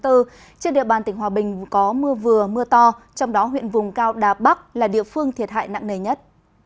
trên địa bàn tỉnh hòa bình có mưa vừa mưa to trong đó huyện vùng cao đà bắc là địa phương thiệt hại nặng nề nhất